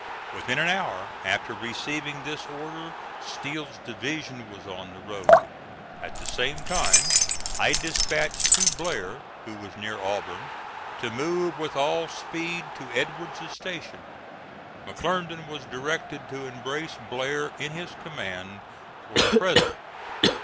Within an hour after receiving this order Steele's division was on the road. At the same time I dispatched to Blair, who was near Auburn, to move with all speed to Edward's station. McClernand was directed to embrace Blair in his command for the present.